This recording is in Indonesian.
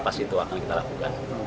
pasti itu akan kita lakukan